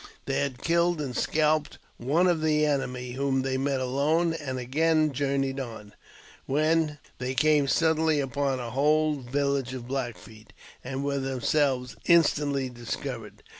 They had killed and scalped one of the enemy, whom they met alone, and again journeyed on, when they came suddenly upon a whole village of Black Feet, and were themselves instantly dis covered.